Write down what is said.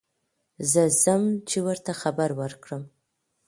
زه ځم چې ور ته خبر ور کړم.